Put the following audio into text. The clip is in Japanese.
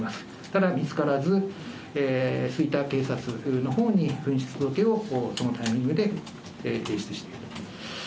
ただ、見つからず、吹田警察のほうに紛失届をこのタイミングで提出している。